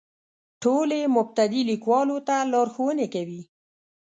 ټول یې مبتدي لیکوالو ته لارښوونې کوي.